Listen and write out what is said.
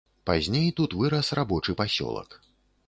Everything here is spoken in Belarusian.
Пазней тут вырас рабочы пасёлак.